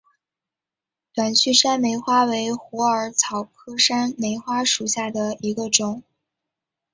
短序山梅花为虎耳草科山梅花属下的一个种。